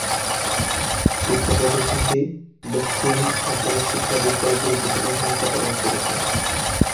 শিক্ষা প্রতিষ্ঠানটি দক্ষিণ অঞ্চলের শিক্ষা বিস্তারে গুরুত্বপূর্ণ ভূমিকা পালন করছে।